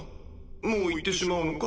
もう行ってしまうのか？